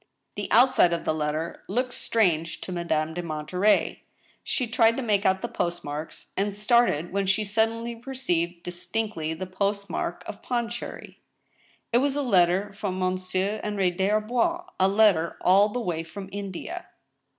The outside of the letter looked strange to Madame de Monterey. She tried to make out the post marks, and started when she suddenly perceived distinctly the postage mark of Pondicherry. It was a letter from Monsieur Henri des Arbois — a letter all the way from India